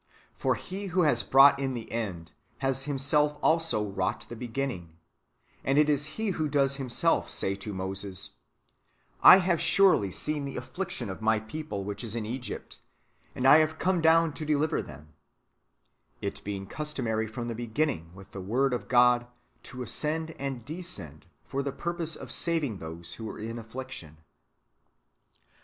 For He who has brought in the end has Himself also wrought the beginning ; and it is He who does Himself say to ^Moses, " I have surely seen the affliction of my people which is in Egypt, and I have come down to deliver them ;"^ it being customary from the beginning with the Word of God to ascend and descend for the purpose of saving those who were in affliction.